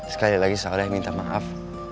sekali lagi saya minta maaf